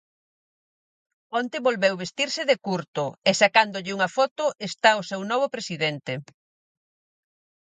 Onte volveu vestirse de curto, e sacándolle unha foto está o seu novo presidente.